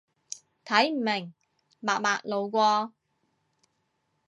睇唔明，默默路過